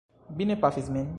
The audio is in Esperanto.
Vi ne pafis min!